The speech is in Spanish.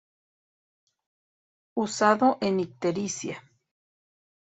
Usado en ictericia.